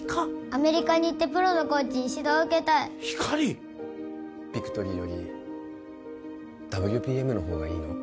アメリカに行ってプロのコーチに指導を受けたいひかりビクトリーよりＷＰＭの方がいいの？